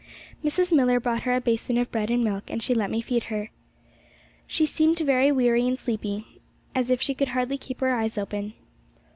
Mrs. Millar brought her a basin of bread and milk, and she let me feed her. She seemed very weary and sleepy, as if she could hardly keep her eyes open.